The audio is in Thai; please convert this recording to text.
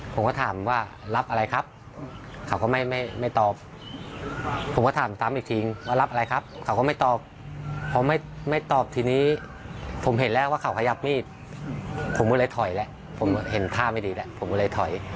ผมเห็นแรกว่าเขาขยับมีดผมก็เลยถอยแหละผมเห็นท่าไม่ดีแหละผมก็เลยถอย